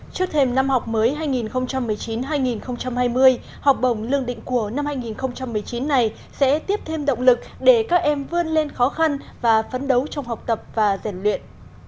trước thêm năm học mới hai nghìn một mươi chín hai nghìn hai mươi học bổng lương định của năm hai nghìn một mươi chín này sẽ tiếp thêm động lực để các em vươn lên khó khăn và phấn đấu trong học tập và giản luyện